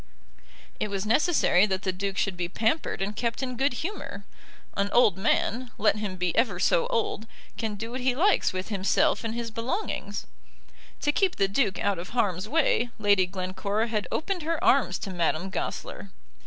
It was necessary that the Duke should be pampered and kept in good humour. An old man, let him be ever so old, can do what he likes with himself and his belongings. To keep the Duke out of harm's way Lady Glencora had opened her arms to Madame Goesler.